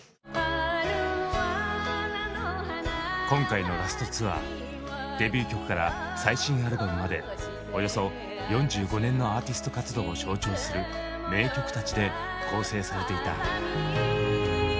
今回のラスト・ツアーデビュー曲から最新アルバムまでおよそ４５年のアーティスト活動を象徴する名曲たちで構成されていた。